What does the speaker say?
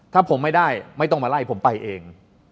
ถ้าผมไม่ได้ไม่ต้องมาไล่ผมไปเอง